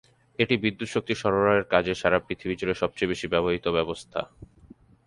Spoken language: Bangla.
এটি বিদ্যুৎ শক্তি সরবরাহের কাজে সারা পৃথিবী জুড়ে সবচেয়ে বেশি ব্যবহৃত ব্যবস্থা।